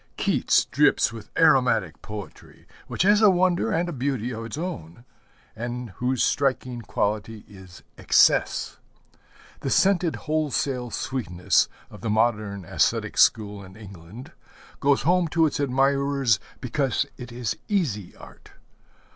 Keats drips with aromatic poetry, which has a wonder and a beauty of its own and whose striking quality is excess. The scented, wholesale sweetness of the modern æsthetic school in England goes home to its admirers because it is easy art.